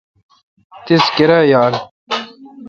تیس کیرایال؟